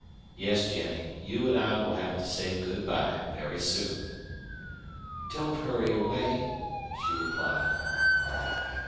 Yes, Jennie, you and I will have to say good by very soon." "Don't hurry away," she replied.